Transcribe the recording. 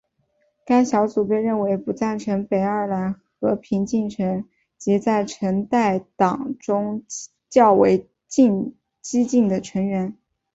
该小组被认为不赞成北爱尔兰和平进程及在橙带党中较为激进的成员。